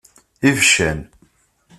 Ibeccan.